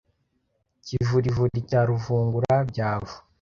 Kivurivuri cya ruvungura-byavu,